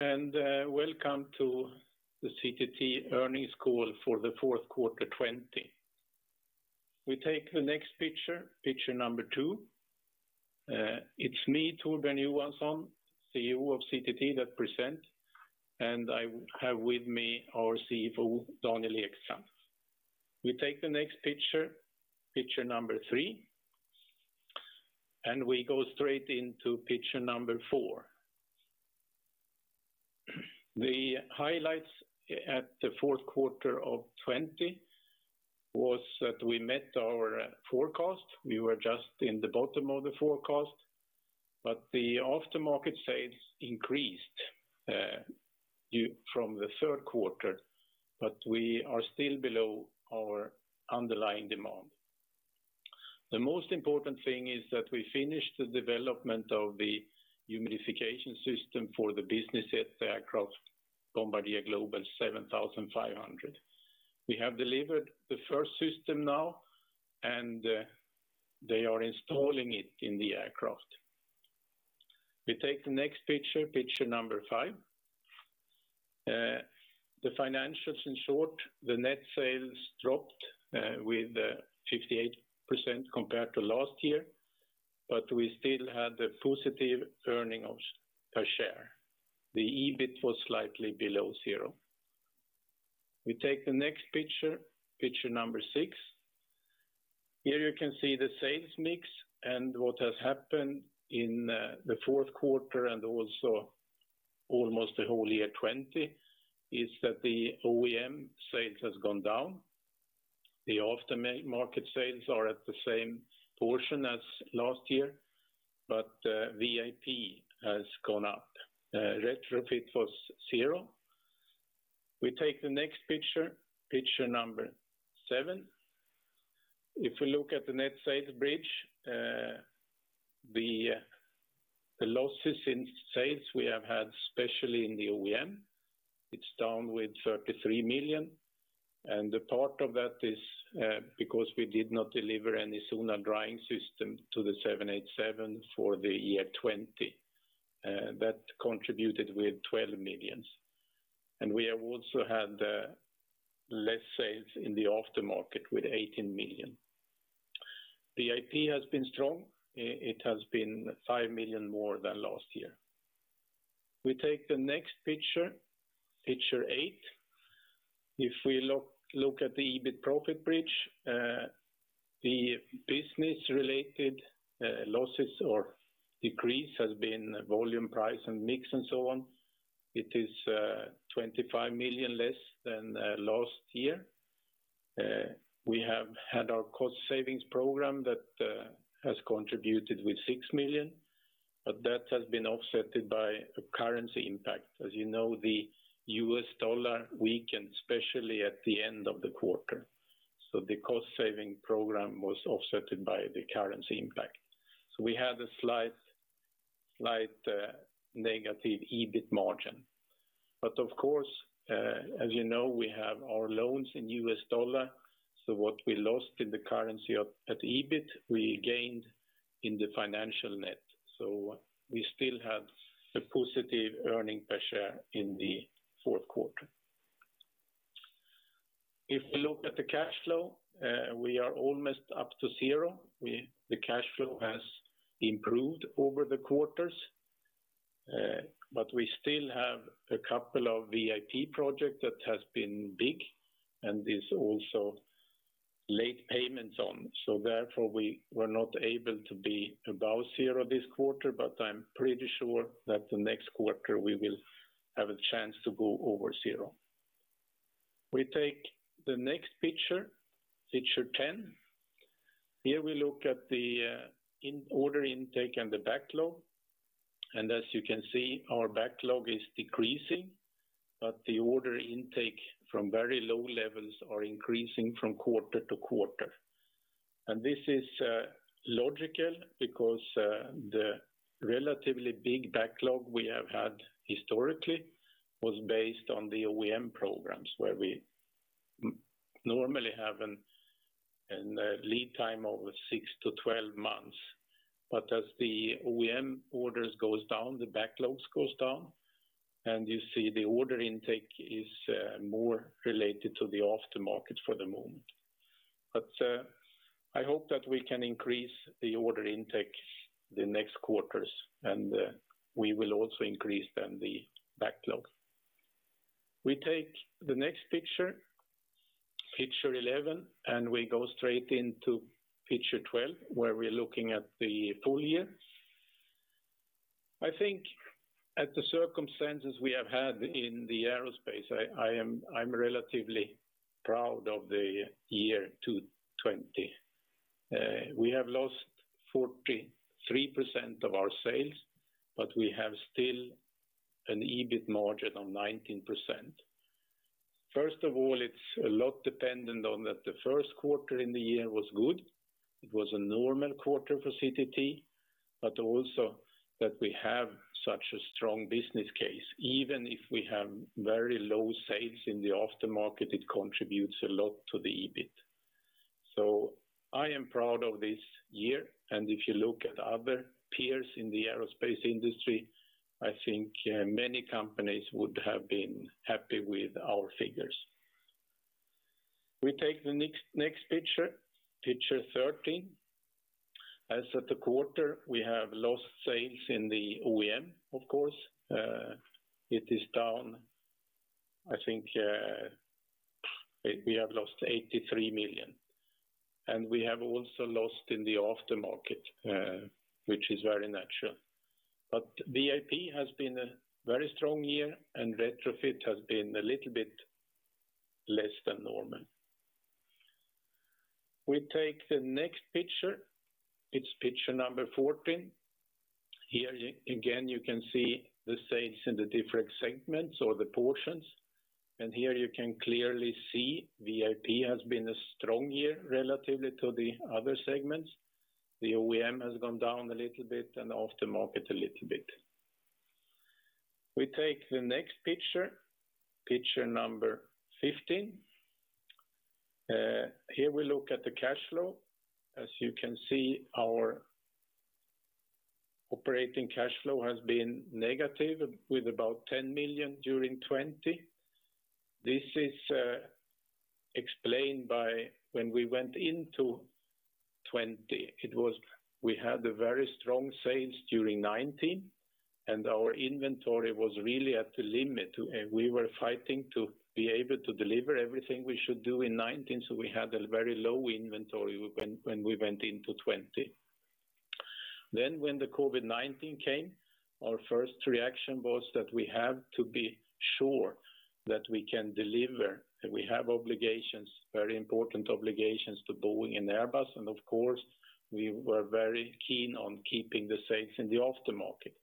Welcome to the CTT Earnings Call for the Fourth Quarter 2020. We take the next picture two. It's me, Torbjörn Johansson, CEO of CTT, that present, and I have with me our CFO, Daniel Ekstrand. We take the next picture three, and we go straight into picture four. The highlights at the fourth quarter of 2020 was that we met our forecast. We were just in the bottom of the forecast, but the aftermarket sales increased from the third quarter, but we are still below our underlying demand. The most important thing is that we finished the development of the humidification system for the business aircraft, Bombardier Global 7500. We have delivered the first system now, and they are installing it in the aircraft. We take the next picture five. The financials, in short, the net sales dropped with 58% compared to last year, but we still had a positive earning per share. The EBIT was slightly below zero. We take the next picture number six. Here you can see the sales mix and what has happened in the fourth quarter and also almost the whole year 2020 is that the OEM sales has gone down. The aftermarket sales are at the same portion as last year, but VIP has gone up. Retrofit was zero. We take the next picture number seven. If we look at the net sales bridge, the losses in sales we have had, especially in the OEM, it's down with 33 million. A part of that is because we did not deliver any Zonal Drying system to the 787 for the year 2020. That contributed with 12 millions. We have also had less sales in the aftermarket with 18 million. VIP has been strong. It has been 5 million more than last year. We take the next picture eight. If we look at the EBIT profit bridge, the business-related losses or decrease has been volume, price, and mix and so on. It is 25 million less than last year. We have had our cost savings program that has contributed with 6 million, but that has been offset by a currency impact. As you know, the US dollar weakened, especially at the end of the quarter. The cost-saving program was offset by the currency impact. We had a slight negative EBIT margin. Of course, as you know, we have our loans in US dollar, so what we lost in the currency at EBIT, we gained in the financial net. We still had a positive earning per share in the fourth quarter. If we look at the cash flow, we are almost up to zero. The cash flow has improved over the quarters, but we still have a couple of VIP projects that has been big and is also late payments on. Therefore, we were not able to be above zero this quarter, but I'm pretty sure that the next quarter we will have a chance to go over zero. We take the next picture 10. Here we look at the order intake and the backlog. As you can see, our backlog is decreasing, but the order intake from very low levels are increasing from quarter to quarter. This is logical because the relatively big backlog we have had historically was based on the OEM programs, where we normally have a lead time over 6-12 months. As the OEM orders goes down, the backlogs goes down, and you see the order intake is more related to the aftermarket for the moment. I hope that we can increase the order intake the next quarters, and we will also increase then the backlog. We take the next picture 11, and we go straight into picture 12, where we're looking at the full year. I think at the circumstances we have had in the aerospace, I'm relatively proud of the year 2020. We have lost 43% of our sales, but we have still an EBIT margin of 19%. First of all, it's a lot dependent on that the first quarter in the year was good. It was a normal quarter for CTT, also that we have such a strong business case. Even if we have very low sales in the aftermarket, it contributes a lot to the EBIT. I am proud of this year. If you look at other peers in the aerospace industry, I think many companies would have been happy with our figures. We take the next picture 13. As at the quarter, we have lost sales in the OEM, of course. It is down, I think, we have lost 83 million. We have also lost in the aftermarket, which is very natural. VIP has been a very strong year, and retrofit has been a little bit less than normal. We take the next picture. It's picture number 14. Here again, you can see the sales in the different segments or the portions. Here you can clearly see VIP has been a strong year relatively to the other segments. The OEM has gone down a little bit and aftermarket a little bit. We take the next picture number 15. Here we look at the cash flow. As you can see, our operating cash flow has been negative with about 10 million during 2020. This is explained by when we went into 2020, we had a very strong sales during 2019, and our inventory was really at the limit. We were fighting to be able to deliver everything we should do in 2019, we had a very low inventory when we went into 2020. When the COVID-19 came, our first reaction was that we have to be sure that we can deliver. We have obligations, very important obligations, to Boeing and Airbus. Of course, we were very keen on keeping the sales in the aftermarket.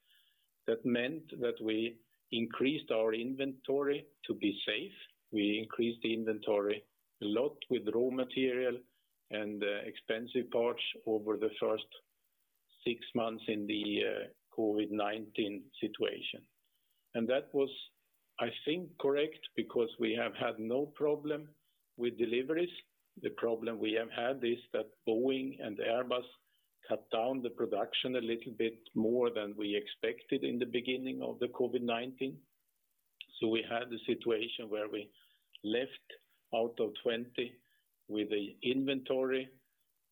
That meant that we increased our inventory to be safe. We increased the inventory a lot with raw material and expensive parts over the first six months in the COVID-19 situation. That was, I think, correct, because we have had no problem with deliveries. The problem we have had is that Boeing and Airbus cut down the production a little bit more than we expected in the beginning of the COVID-19. We had a situation where we left out of 2020 with an inventory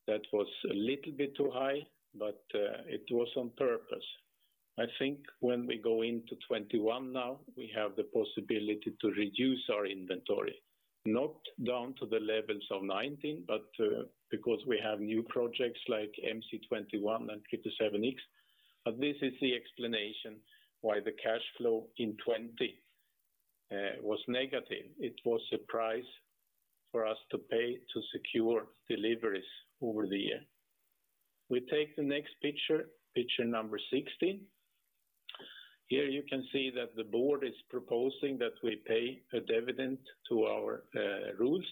that was a little bit too high, but it was on purpose. I think when we go into 2021 now, we have the possibility to reduce our inventory. Not down to the levels of 2019, but because we have new projects like MC-21 and 777X. This is the explanation why the cash flow in 2020 was negative. It was a price for us to pay to secure deliveries over the year. We take the next picture number 16. Here you can see that the board is proposing that we pay a dividend to our rules.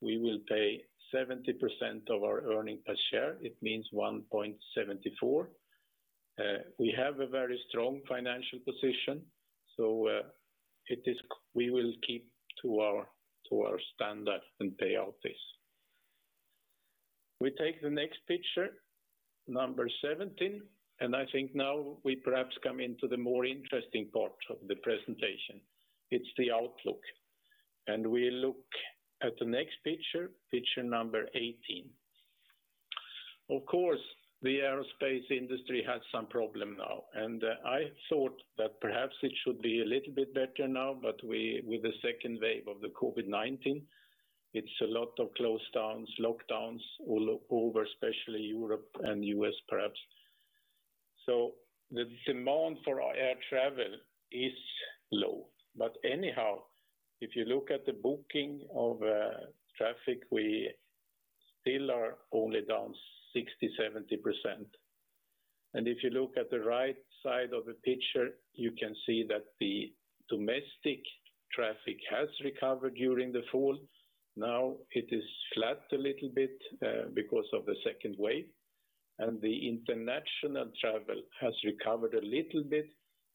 We will pay 70% of our earnings per share. It means 1.74. We have a very strong financial position, we will keep to our standard and pay out this. We take the next picture, number 17. I think now we perhaps come into the more interesting part of the presentation. It's the outlook. We look at the next picture number 18. Of course, the aerospace industry has some problem now, and I thought that perhaps it should be a little bit better now, but with the second wave of the COVID-19, it's a lot of closedowns, lockdowns all over, especially Europe and U.S. perhaps. The demand for air travel is low. Anyhow, if you look at the booking of traffic, we still are only down 60%-70%. If you look at the right side of the picture, you can see that the domestic traffic has recovered during the fall. Now it is flat a little bit because of the second wave, and the international travel has recovered a little bit,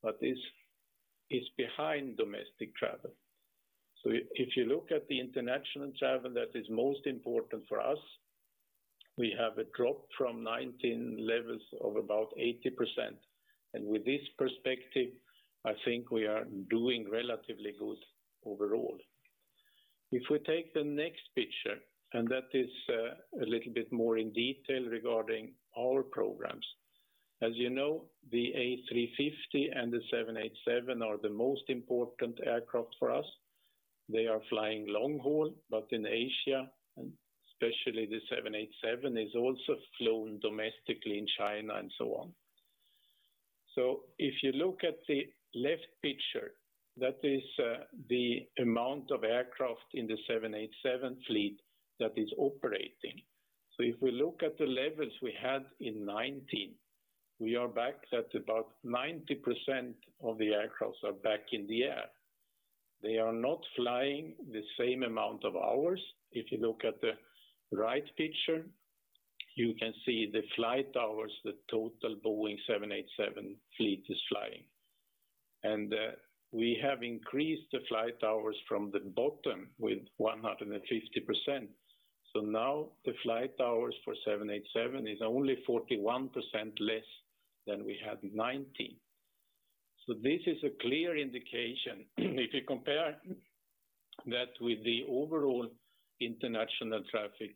but is behind domestic travel. If you look at the international travel that is most important for us, we have a drop from 2019 levels of about 80%. With this perspective, I think we are doing relatively good overall. If we take the next picture, and that is a little bit more in detail regarding our programs. As you know, the A350 and the 787 are the most important aircraft for us. They are flying long haul, but in Asia, and especially the 787, is also flown domestically in China and so on. If you look at the left picture, that is the amount of aircraft in the 787 fleet that is operating. If we look at the levels we had in 2019, we are back at about 90% of the aircraft are back in the air. They are not flying the same amount of hours. If you look at the right picture, you can see the flight hours, the total Boeing 787 fleet is flying. We have increased the flight hours from the bottom with 150%. Now the flight hours for 787 is only 41% less than we had in 2019. This is a clear indication. If you compare that with the overall international traffic,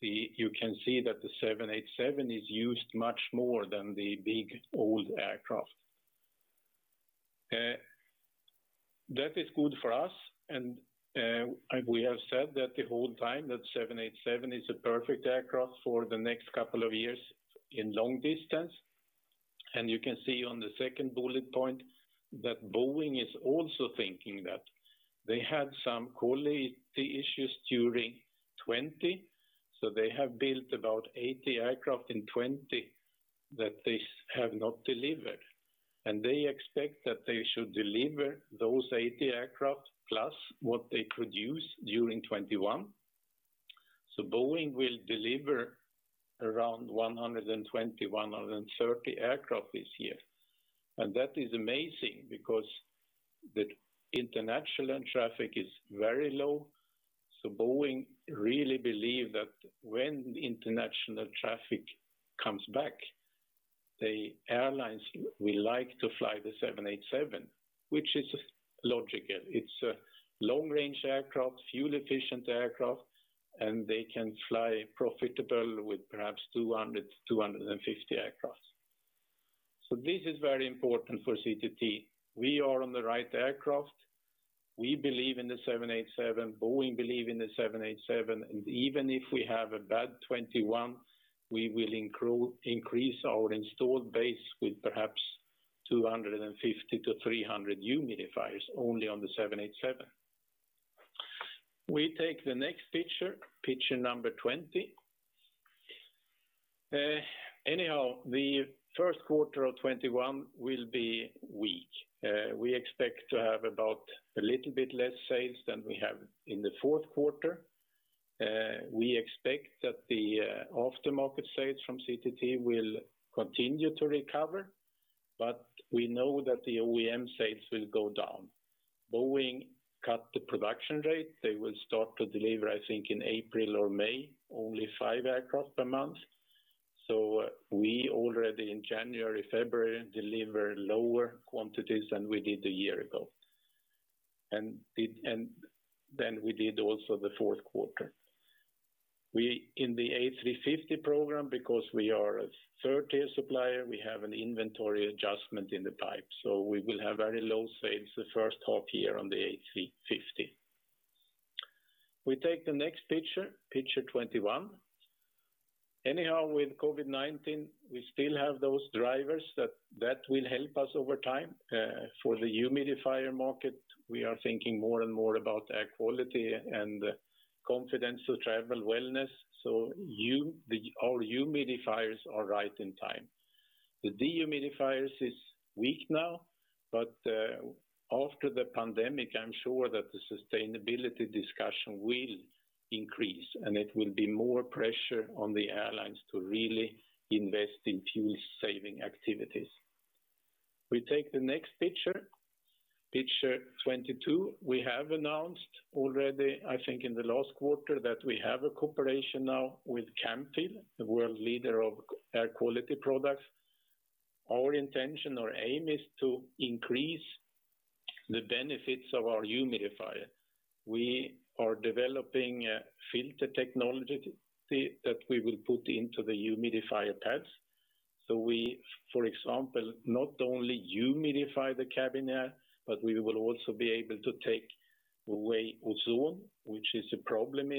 you can see that the 787 is used much more than the big old aircraft. That is good for us, and we have said that the whole time, that 787 is a perfect aircraft for the next couple of years in long distance. You can see on the second bullet point that Boeing is also thinking that. They had some quality issues during 2020, so they have built about 80 aircraft in 2020 that they have not delivered, and they expect that they should deliver those 80 aircraft plus what they produce during 2021. Boeing will deliver around 120, 130 aircraft this year. That is amazing because the international traffic is very low. Boeing really believe that when international traffic comes back, the airlines will like to fly the 787, which is logical. It's a long-range aircraft, fuel-efficient aircraft, and they can fly profitable with perhaps 200, 250 aircraft. This is very important for CTT. We are on the right aircraft. We believe in the 787, Boeing believe in the 787, and even if we have a bad 2021, we will increase our installed base with perhaps 250-300 humidifiers only on the 787. We take the next picture number 20. The first quarter of 2021 will be weak. We expect to have about a little bit less sales than we have in the fourth quarter. We expect that the aftermarket sales from CTT will continue to recover, we know that the OEM sales will go down. Boeing cut the production rate. They will start to deliver, I think in April or May, only five aircraft per month. We already in January, February, deliver lower quantities than we did a year ago, and than we did also the fourth quarter. We, in the A350 program, because we are a third-Tier supplier, we have an inventory adjustment in the pipe, we will have very low sales the first half year on the A350. We take the next picture 21. With COVID-19, we still have those drivers that will help us over time. For the humidifier market, we are thinking more and more about air quality and confidence to travel, wellness. Our humidifiers are right in time. The dehumidifiers is weak now, but after the pandemic, I'm sure that the sustainability discussion will increase, and it will be more pressure on the airlines to really invest in fuel-saving activities. We take the next picture 22. We have announced already, I think, in the last quarter that we have a cooperation now with Camfil, the world leader of air quality products. Our intention or aim is to increase the benefits of our humidifier. We are developing a filter technology that we will put into the humidifier pads. We, for example, not only humidify the cabin air, but we will also be able to take away ozone, which is a problem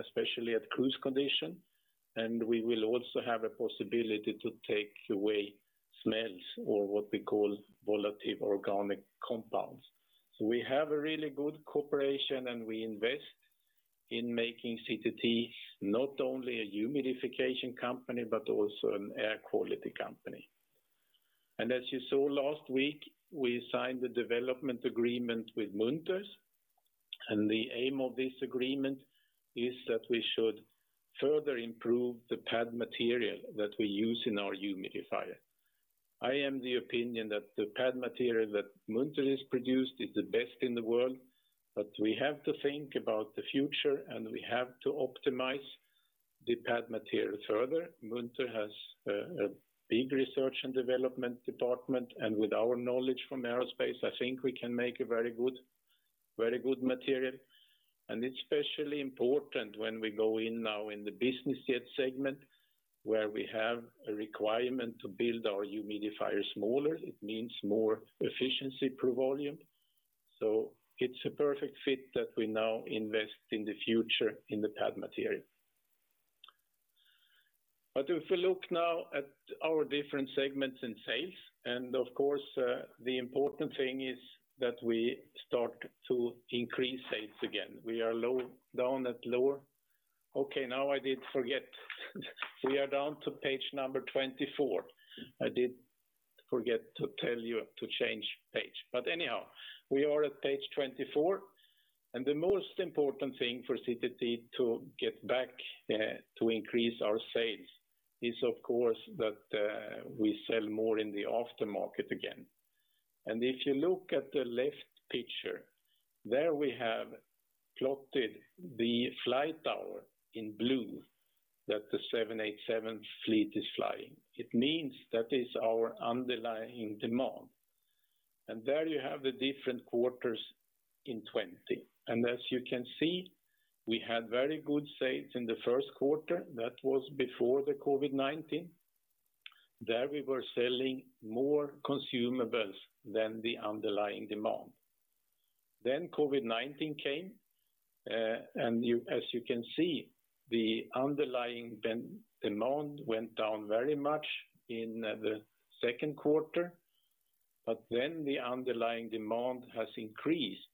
especially at cruise condition. We will also have a possibility to take away smells or what we call volatile organic compounds. We have a really good cooperation, and we invest in making CTT not only a humidification company but also an air quality company. As you saw last week, we signed the development agreement with Munters. The aim of this agreement is that we should further improve the pad material that we use in our humidifier. I am the opinion that the pad material that Munters produced is the best in the world. We have to think about the future, and we have to optimize the pad material further. Munters has a big research and development department, and with our knowledge from aerospace, I think we can make a very good material. It's especially important when we go in now in the business jet segment, where we have a requirement to build our humidifier smaller. It means more efficiency per volume. It's a perfect fit that we now invest in the future in the pad material. If we look now at our different segments and sales, and of course, the important thing is that we start to increase sales again. Okay, now I did forget. We are down to page 24. I did forget to tell you to change page, but anyhow. We are at page 24. The most important thing for CTT to get back to increase our sales is, of course, that we sell more in the aftermarket again. If you look at the left picture, there we have plotted the flight hour in blue that the 787 fleet is flying. It means that is our underlying demand. There you have the different quarters in 2020. As you can see, we had very good sales in the first quarter. That was before the COVID-19. There we were selling more consumables than the underlying demand. COVID-19 came, and as you can see, the underlying demand went down very much in the second quarter, but then the underlying demand has increased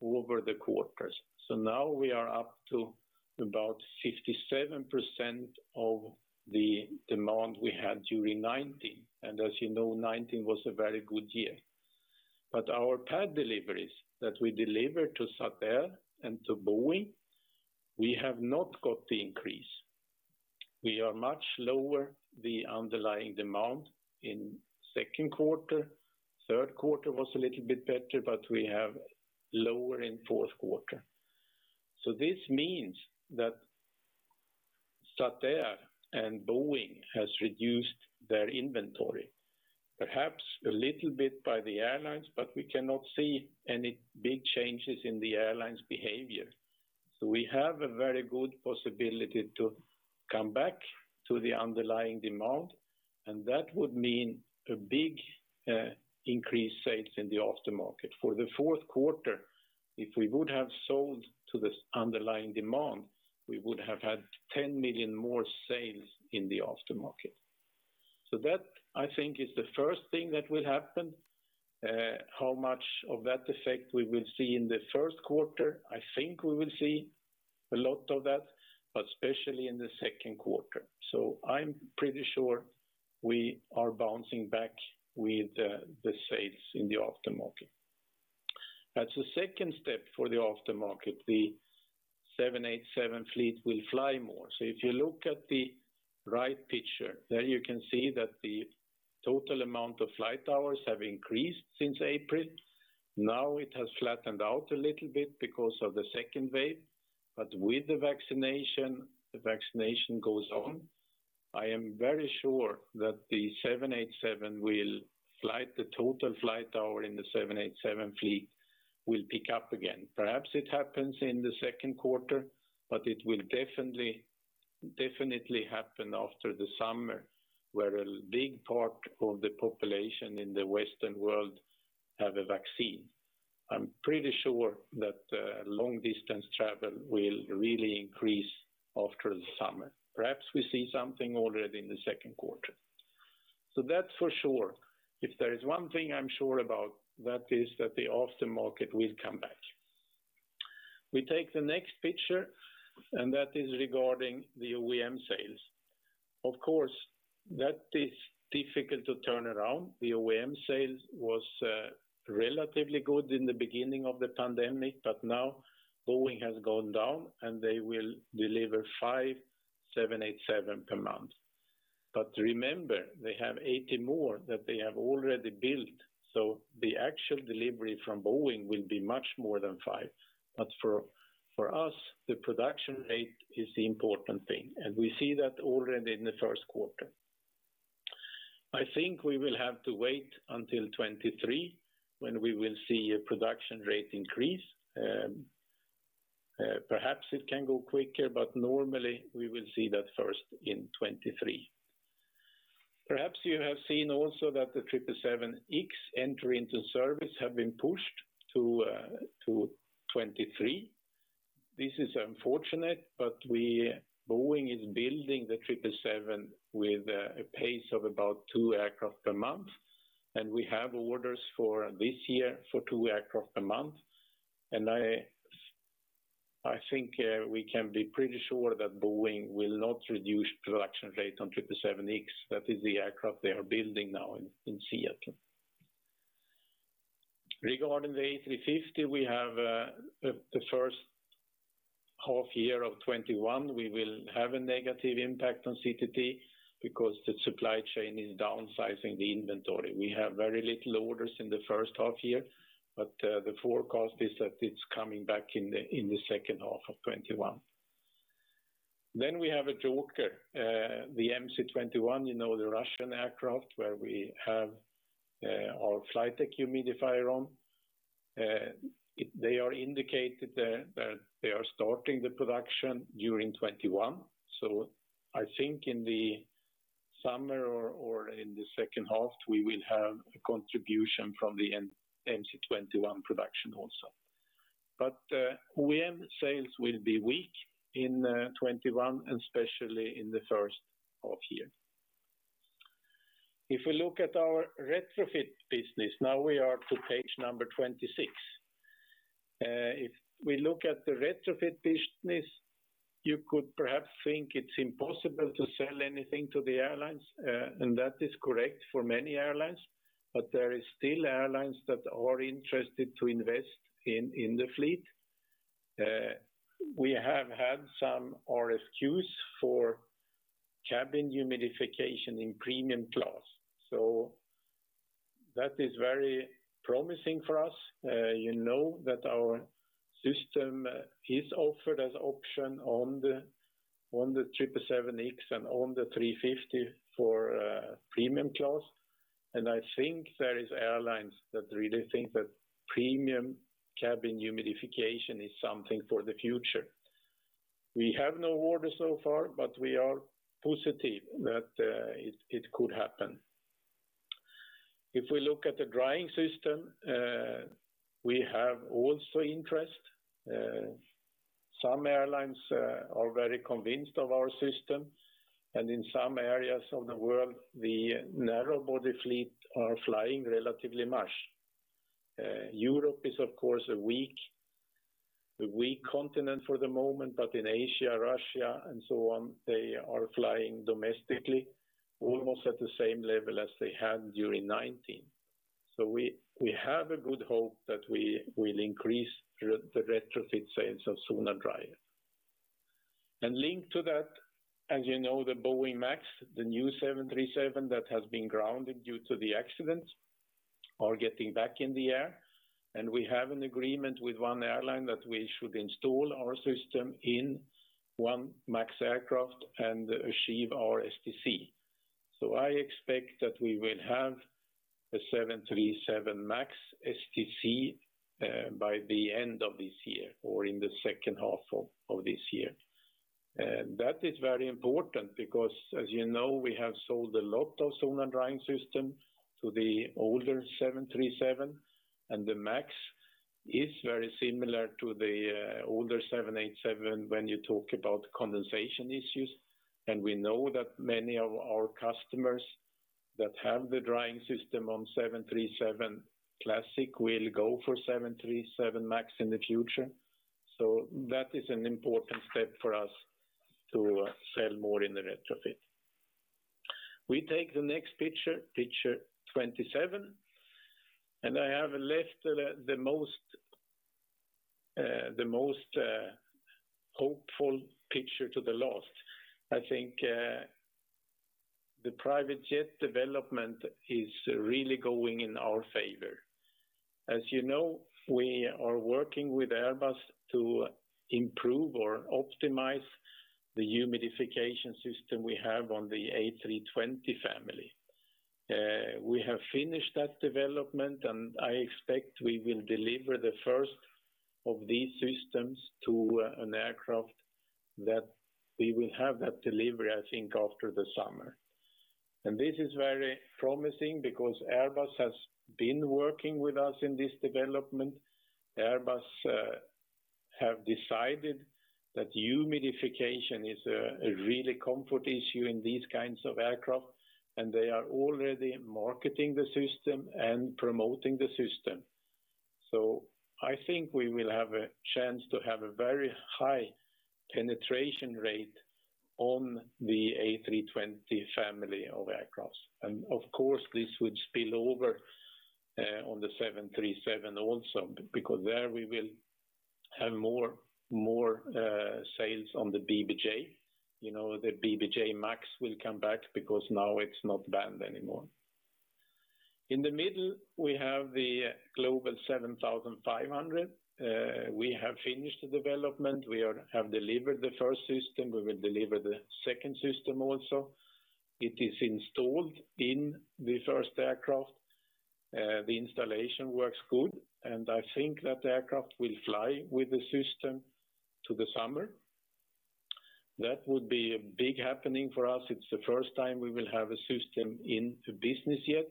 over the quarters. Now we are up to about 57% of the demand we had during 2019. As you know 2019 was a very good year. Our pad deliveries that we delivered to Satair and to Boeing, we have not got the increase. We are much lower the underlying demand in second quarter. Third quarter was a little bit better, but we have lower in fourth quarter. This means that Satair and Boeing has reduced their inventory, perhaps a little bit by the airlines, but we cannot see any big changes in the airlines' behavior. We have a very good possibility to come back to the underlying demand, and that would mean a big increase sales in the aftermarket. For the fourth quarter, if we would have sold to this underlying demand, we would have had 10 million more sales in the aftermarket. That, I think, is the first thing that will happen. How much of that effect we will see in the first quarter? I think we will see a lot of that, but especially in the second quarter. I'm pretty sure we are bouncing back with the sales in the aftermarket. As a second step for the aftermarket, the 787 fleet will fly more. If you look at the right picture, there you can see that the total amount of flight hours have increased since April. Now it has flattened out a little bit because of the second wave, but with the vaccination, the vaccination goes on. I am very sure that the total flight hour in the 787 fleet will pick up again. Perhaps it happens in the second quarter, but it will definitely happen after the summer, where a big part of the population in the western world have a vaccine. I'm pretty sure that long distance travel will really increase after the summer. Perhaps we see something already in the second quarter. That's for sure. If there is one thing I'm sure about, that is that the aftermarket will come back. We take the next picture, that is regarding the OEM sales. Of course, that is difficult to turn around. The OEM sales was relatively good in the beginning of the pandemic, now Boeing has gone down and they will deliver five 787 per month. Remember, they have 80 more that they have already built, so the actual delivery from Boeing will be much more than five. For us, the production rate is the important thing, and we see that already in the first quarter. I think we will have to wait until 2023 when we will see a production rate increase. Perhaps it can go quicker, normally we will see that first in 2023. Perhaps you have seen also that the 777X entry into service have been pushed to 2023. This is unfortunate. Boeing is building the 777 with a pace of about two aircraft per month. We have orders for this year for two aircraft per month. I think we can be pretty sure that Boeing will not reduce production rate on 777X. That is the aircraft they are building now in Seattle. Regarding the A350, we have the first half year of 2021, we will have a negative impact on CTT because the supply chain is downsizing the inventory. We have very little orders in the first half year. The forecast is that it's coming back in the second half of 2021. We have a joker, the MC-21, you know, the Russian aircraft where we have our Flight Deck Humidifier on. They are indicated that they are starting the production during 2021. I think in the summer or in the second half, we will have a contribution from the MC-21 production also. OEM sales will be weak in 2021 and especially in the first half year. If we look at our retrofit business, now we are to page 26. If we look at the retrofit business. You could perhaps think it's impossible to sell anything to the airlines, and that is correct for many airlines, but there is still airlines that are interested to invest in the fleet. We have had some RFQs for cabin humidification in premium class, that is very promising for us. You know that our system is offered as option on the 777X and on the 350 for premium class. I think there is airlines that really think that premium cabin humidification is something for the future. We have no order so far, but we are positive that it could happen. If we look at the Zonal Drying system, we have also interest. Some airlines are very convinced of our system, and in some areas of the world, the narrow-body fleet are flying relatively much. Europe is, of course, a weak continent for the moment, but in Asia, Russia, and so on, they are flying domestically almost at the same level as they had during 2019. We have a good hope that we will increase the retrofit sales of Zonal Drying system. Linked to that, as you know, the Boeing MAX, the new 737 that has been grounded due to the accident, are getting back in the air. We have an agreement with one airline that we should install our system in one MAX aircraft and achieve our STC. I expect that we will have a 737 MAX STC, by the end of this year or in the second half of this year. That is very important because, as you know, we have sold a lot of Zonal Drying system to the older 737, and the MAX is very similar to the older 787 when you talk about condensation issues. We know that many of our customers that have the Zonal Drying system on 737 Classic will go for 737 MAX in the future. That is an important step for us to sell more in the retrofit. We take the next picture 27, I have left the most hopeful picture to the last. I think the private jet development is really going in our favor. As you know, we are working with Airbus to improve or optimize the humidification system we have on the A320 family. We have finished that development, I expect we will deliver the first of these systems to an aircraft that we will have that delivery, I think, after the summer. This is very promising because Airbus has been working with us in this development. Airbus have decided that humidification is a really comfort issue in these kinds of aircraft, they are already marketing the system and promoting the system. I think we will have a chance to have a very high penetration rate on the A320 family of aircraft. Of course, this would spill over on the 737 also, because there we will have more sales on the BBJ. The BBJ MAX will come back because now it's not banned anymore. In the middle, we have the Global 7500. We have finished the development. We have delivered the first system. We will deliver the second system also. It is installed in the first aircraft. The installation works good, and I think that the aircraft will fly with the system to the summer. That would be a big happening for us. It's the first time we will have a system in the business jet,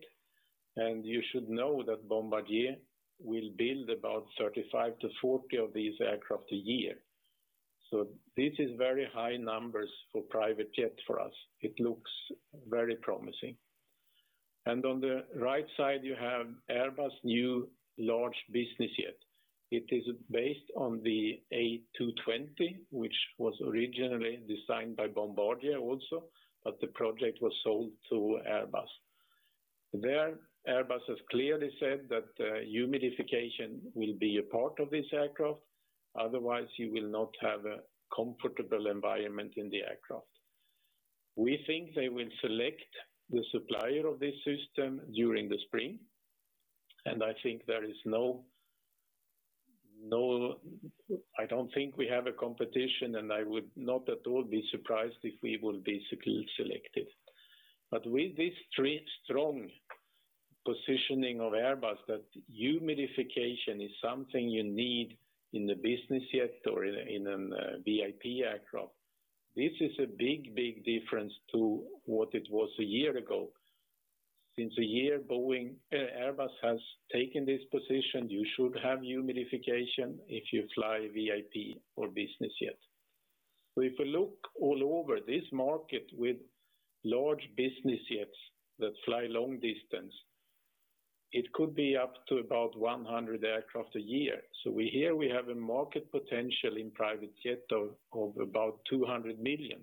and you should know that Bombardier will build about 35-40 of these aircraft a year. This is very high numbers for private jet for us. It looks very promising. On the right side, you have Airbus new large business jet. It is based on the A220, which was originally designed by Bombardier also, but the project was sold to Airbus. There, Airbus has clearly said that humidification will be a part of this aircraft. Otherwise, you will not have a comfortable environment in the aircraft. We think they will select the supplier of this system during the spring, and I don't think we have a competition, and I would not at all be surprised if we will be selected. With this strong positioning of Airbus, that humidification is something you need in the business jet or in a VIP aircraft. This is a big, big difference to what it was a year ago. Since a year, Airbus has taken this position. You should have humidification if you fly VIP or business jet. If you look all over this market with large business jets that fly long distance. It could be up to about 100 aircraft a year. Here we have a market potential in private jet of about 200 million.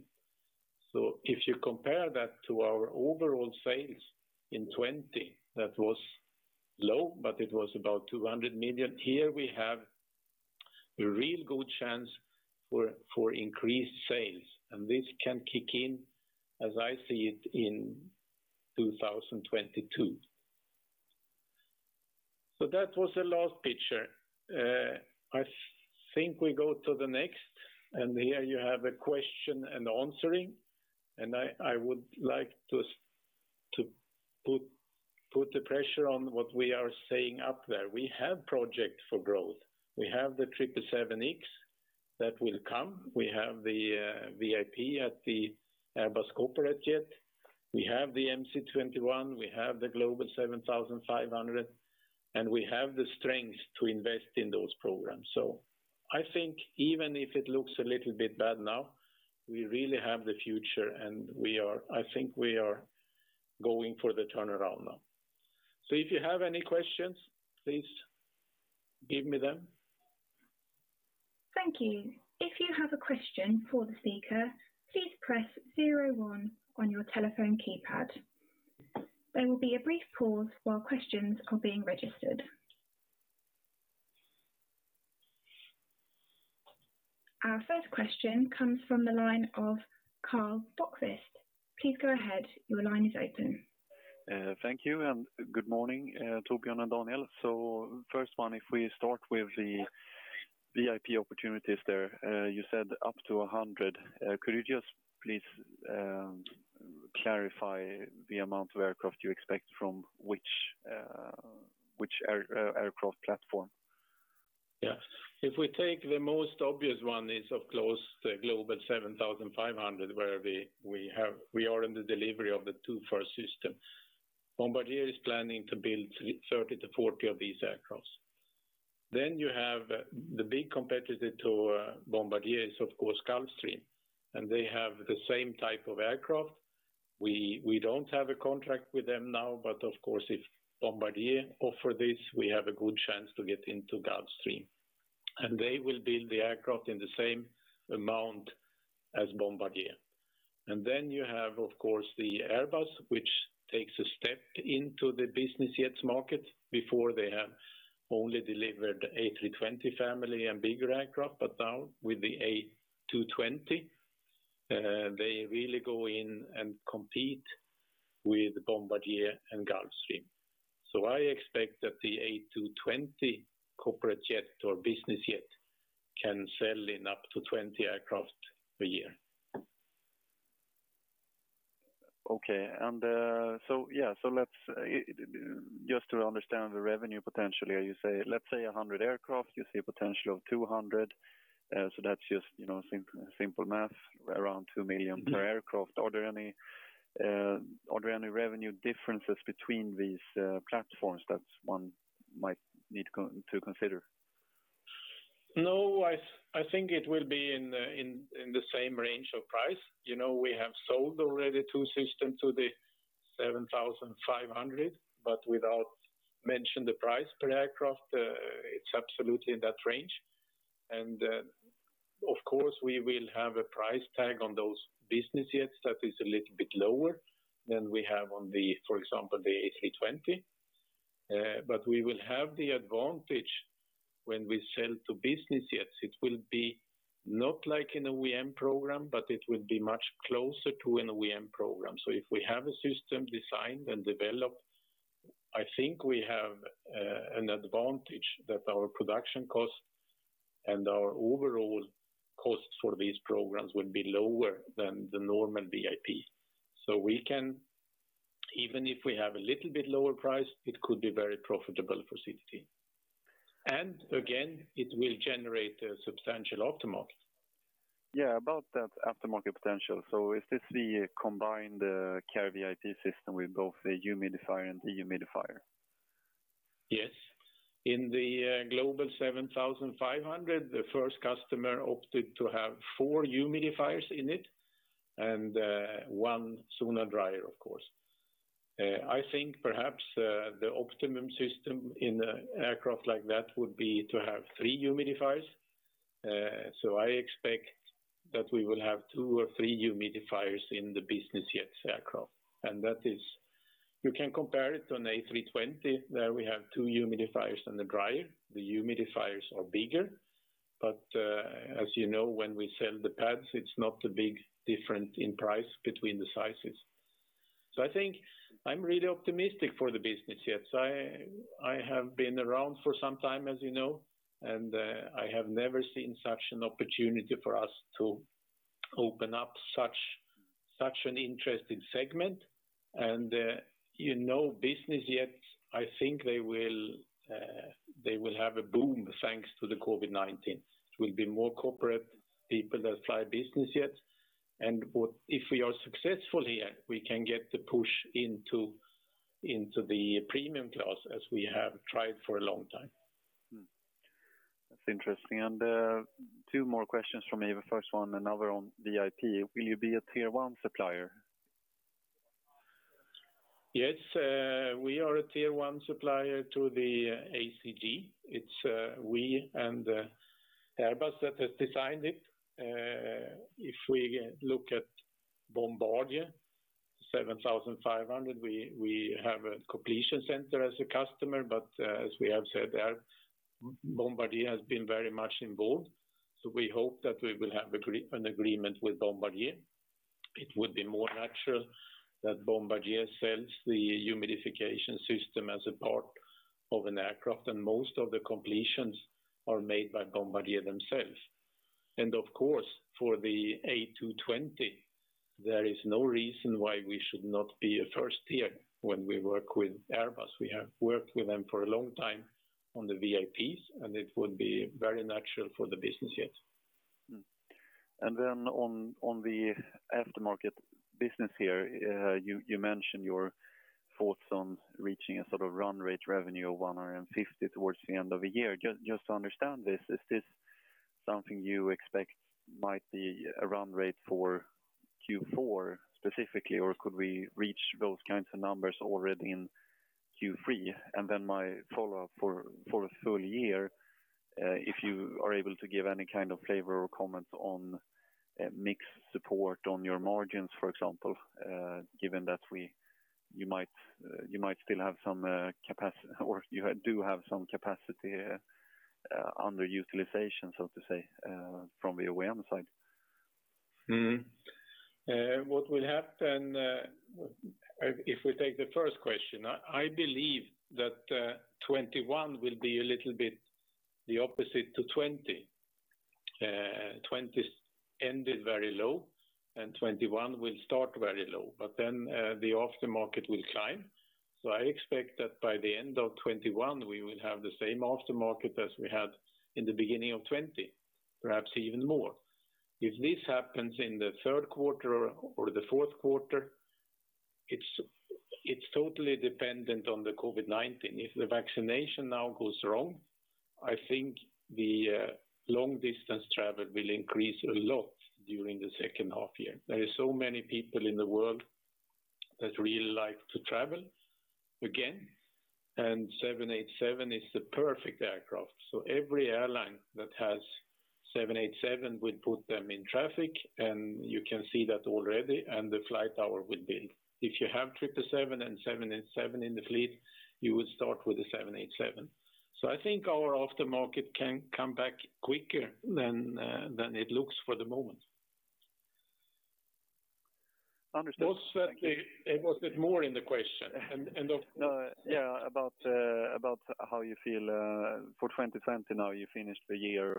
If you compare that to our overall sales in 2020, that was low, but it was about 200 million. Here we have a real good chance for increased sales, and this can kick in, as I see it, in 2022. That was the last picture. I think we go to the next, and here you have a question and answering, and I would like to put the pressure on what we are saying up there. We have project for growth. We have the 777X that will come. We have the VIP at the Airbus Corporate Jet. We have the MC-21, we have the Global 7500, and we have the strength to invest in those programs. I think even if it looks a little bit bad now, we really have the future, and I think we are going for the turnaround now. If you have any questions, please give me them. Thank you. If you have a question for the speaker, please press zero one on your telephone keypad. There will be a brief pause while questions are being registered. Our first question comes from the line of Karl Bokvist. Please go ahead. Your line is open. Thank you, and good morning, Torbjörn and Daniel. First one, if we start with the VIP opportunities there. You said up to 100. Could you just please clarify the amount of aircraft you expect from which aircraft platform? Yeah. If we take the most obvious one is, of course, the Global 7500, where we are in the delivery of the two first systems. Bombardier is planning to build 30-40 of these aircraft. You have the big competitor to Bombardier is, of course, Gulfstream, and they have the same type of aircraft. We don't have a contract with them now, if Bombardier offer this, we have a good chance to get into Gulfstream. They will build the aircraft in the same amount as Bombardier. You have, of course, the Airbus, which takes a step into the business jets market. Before they have only delivered A320 family and bigger aircraft, now with the A220, they really go in and compete with Bombardier and Gulfstream. I expect that the A220 corporate jet or business jet can sell in up to 20 aircraft a year. Okay. Just to understand the revenue potential here, let's say 100 aircraft, you see a potential of 200. That's just simple math, around 2 million per aircraft. Are there any revenue differences between these platforms that one might need to consider? No, I think it will be in the same range of price. We have sold already two systems to the 7500, but without mention the price per aircraft. It's absolutely in that range. Of course, we will have a price tag on those business jets that is a little bit lower than we have on the, for example, the A320. We will have the advantage when we sell to business jets. It will be not like an OEM program, but it will be much closer to an OEM program. If we have a system designed and developed, I think we have an advantage that our production cost and our overall cost for these programs will be lower than the normal VIP. We can, even if we have a little bit lower price, it could be very profitable for CTT. Again, it will generate a substantial aftermarket. Yeah, about that aftermarket potential. Is this the combined Cair VIP system with both the humidifier and the dehumidifier? Yes. In the Global 7500, the first customer opted to have four humidifiers in it and one Zonal Dryer, of course. I think perhaps, the optimum system in an aircraft like that would be to have three humidifiers. I expect that we will have two or three humidifiers in the business jets aircraft. You can compare it on A320. There we have two humidifiers and the dryer. The humidifiers are bigger, but, as you know, when we sell the pads, it's not a big difference in price between the sizes. I think I'm really optimistic for the business jets. I have been around for some time, as you know, and I have never seen such an opportunity for us to open up such an interesting segment. Business jets, I think they will have a boom, thanks to the COVID-19. It will be more corporate people that fly business jets. If we are successful here, we can get the push into the premium class as we have tried for a long time. That's interesting. Two more questions from me. The first one, another on VIP. Will you be a Tier 1 supplier? Yes. We are a Tier 1 supplier to the ACJ. It's we and Airbus that has designed it. If we look at Bombardier 7500, we have a completion center as a customer. As we have said there, Bombardier has been very much involved. We hope that we will have an agreement with Bombardier. It would be more natural that Bombardier sells the humidification system as a part of an aircraft, most of the completions are made by Bombardier themselves. Of course, for the A220, there is no reason why we should not be a first tier when we work with Airbus. We have worked with them for a long time on the VIPs, it would be very natural for the business jets. On the aftermarket business here, you mentioned your thoughts on reaching a sort of run rate revenue of 150 towards the end of the year. Just to understand this, is this something you expect might be a run rate for Q4 specifically, or could we reach those kinds of numbers already in Q3? My follow-up for a full year, if you are able to give any kind of flavor or comments on mix support on your margins, for example, given that you might still have some capacity, or you do have some capacity under utilization, so to say, from the OEM side. What will happen, if we take the first question, I believe that 2021 will be a little bit the opposite to 2020. 2020 ended very low, 2021 will start very low. The aftermarket will climb. I expect that by the end of 2021, we will have the same aftermarket as we had in the beginning of 2020, perhaps even more. If this happens in the third quarter or the fourth quarter, it's totally dependent on the COVID-19. If the vaccination now goes wrong, I think the long-distance travel will increase a lot during the second half year. There are so many people in the world that really like to travel again, 787 is the perfect aircraft. Every airline that has 787 will put them in traffic, you can see that already. The flight hour will build. If you have 777 and 787 in the fleet, you would start with the 787. I think our aftermarket can come back quicker than it looks for the moment. Understood. Thank you. Was there more in the question? Yeah, about how you feel for 2020 now you finished the year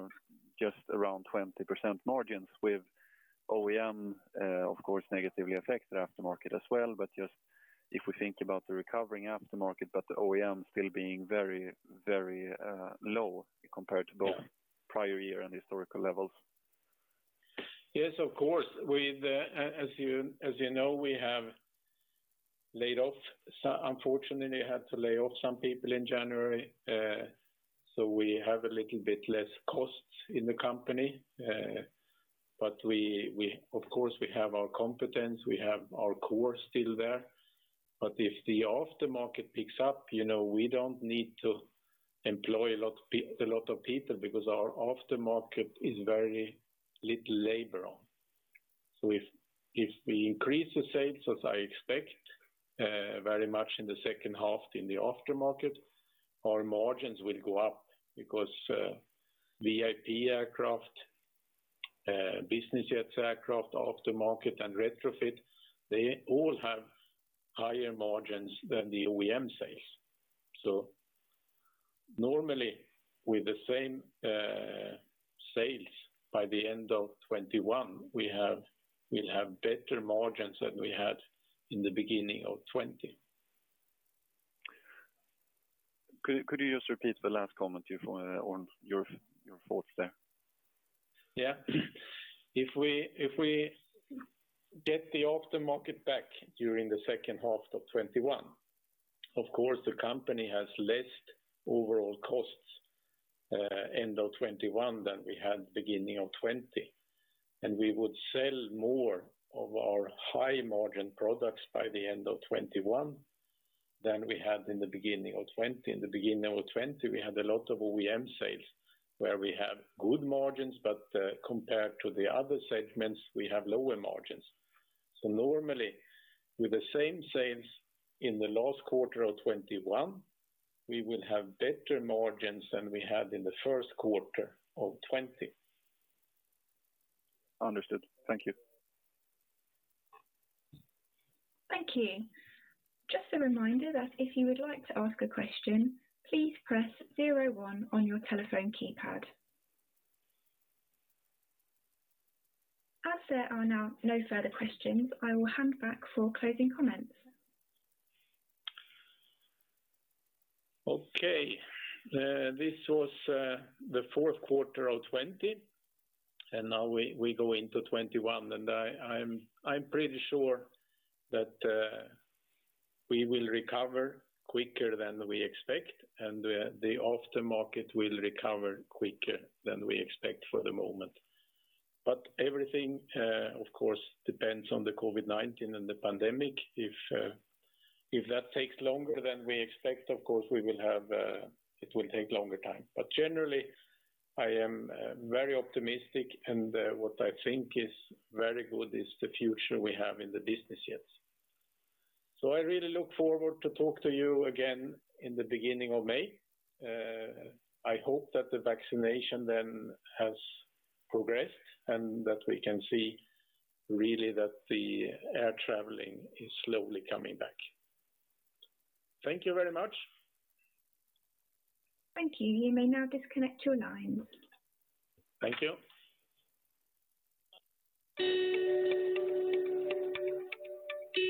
just around 20% margins with OEM, of course, negatively affected aftermarket as well. Just if we think about the recovering aftermarket, but the OEM still being very low compared to both prior year and historical levels. Yes, of course. As you know, we unfortunately had to lay off some people in January, so we have a little bit less costs in the company. Of course, we have our competence. We have our core still there. If the aftermarket picks up, we don't need to employ a lot of people because our aftermarket is very little labor on. If we increase the sales, as I expect, very much in the second half in the aftermarket, our margins will go up because VIP aircraft, business jets aircraft, aftermarket, and retrofit, they all have higher margins than the OEM sales. Normally, with the same sales by the end of 2021, we'll have better margins than we had in the beginning of 2020. Could you just repeat the last comment on your thoughts there? Yeah. If we get the aftermarket back during the second half of 2021, of course, the company has less overall costs end of 2021 than we had beginning of 2020. We would sell more of our high-margin products by the end of 2021 than we had in the beginning of 2020. In the beginning of 2020, we had a lot of OEM sales, where we have good margins, but compared to the other segments, we have lower margins. Normally, with the same sales in the last quarter of 2021, we will have better margins than we had in the first quarter of 2020. Understood. Thank you. Thank you. Just a reminder that if you would like to ask a question, please press zero one on your telephone keypad. As there are now no further questions, I will hand back for closing comments. Okay. This was the fourth quarter of 2020. Now we go into 2021. I'm pretty sure that we will recover quicker than we expect. The aftermarket will recover quicker than we expect for the moment. Everything, of course, depends on the COVID-19 and the pandemic. If that takes longer than we expect, of course, it will take longer time. Generally, I am very optimistic. What I think is very good is the future we have in the business jet. I really look forward to talk to you again in the beginning of May. I hope that the vaccination then has progressed and that we can see really that the air traveling is slowly coming back. Thank you very much. Thank you. You may now disconnect your lines. Thank you.